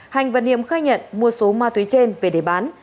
hành và niệm khai nhận mua số ma túy trên về để bán